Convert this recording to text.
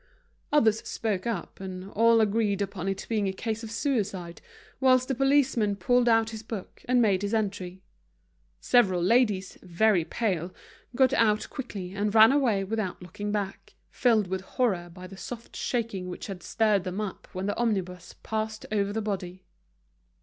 Others spoke up, and all agreed upon it being a case of suicide, whilst the policeman pulled out his book and made his entry. Several ladies, very pale, got out quickly, and ran away without looking back, filled with horror by the soft shaking which had stirred them up when the omnibus passed over the body.